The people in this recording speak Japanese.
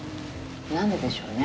何ででしょうね。